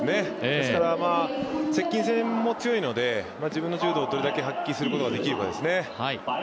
ですから接近戦も強いので自分の柔道をどれだけ発揮することができるかですね。